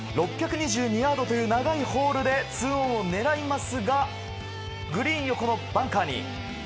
６２２ヤードという長いホールで２オンを狙いますがグリーン横のバンカーに。